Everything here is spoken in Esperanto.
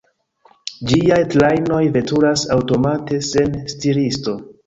Ĝiaj trajnoj veturas aŭtomate, sen stiristo.